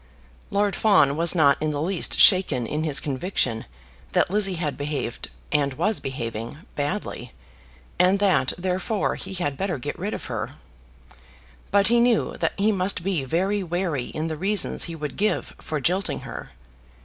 Lord Fawn was not in the least shaken in his conviction that Lizzie had behaved, and was behaving, badly, and that, therefore, he had better get rid of her; but he knew that he must be very wary in the reasons he would give for jilting her.